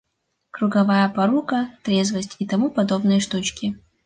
Круговая порука, трезвость и тому подобные штучки.